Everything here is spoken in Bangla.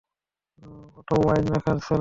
এটা ওয়াইন রাখার সেলার।